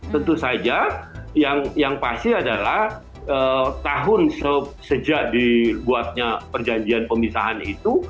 tentu saja yang pasti adalah tahun sejak dibuatnya perjanjian pemisahan itu